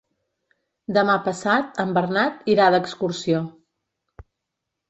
Demà passat en Bernat irà d'excursió.